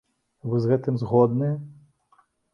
Вы з гэтым згодныя?